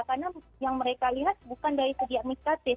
karena yang mereka lihat bukan dari segi administratif